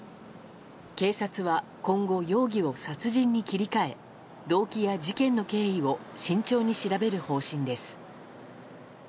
警察は今後、容疑を殺人に切り替え動機や事件の経緯を慎重に調べる方針です。